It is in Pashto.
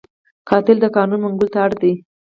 قاتل د قانون منګولو ته اړ دی